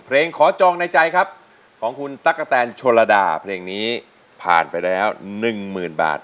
เพลงขอจองในใจครับของคุณตะกะแทนชัวรดาเพลงนี้ผ่านไปแล้ว๑หมื่นบาท